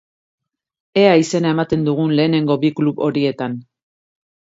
Ea izena ematen dugun lehenengo bi klub horietan.